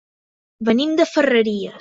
Venim de Ferreries.